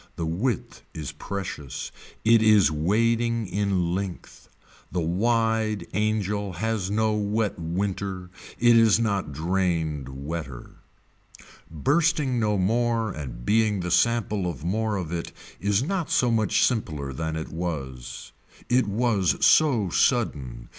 The width is precious. It is wading in length. The wide angel has no wet winter. It is not drained wetter. Bursting no more and being the sample of more of it is not so much simpler than it was. It was so sudden.